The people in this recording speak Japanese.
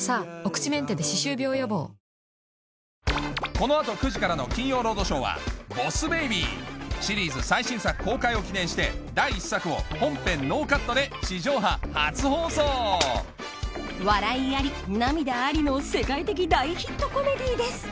この後９時からの『金曜ロードショー』はシリーズ最新作公開を記念して第１作を本編ノーカットで地上波初放送笑いあり涙ありの世界的大ヒットコメディーです